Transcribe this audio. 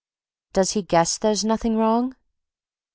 "Does he guess there's nothing wrong?"